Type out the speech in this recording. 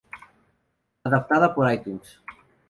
Adaptada por iTunes.